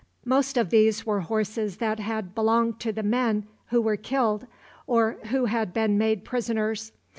Most of these were horses that had belonged to the men who were killed or who had been made prisoners.